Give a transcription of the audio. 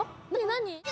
何？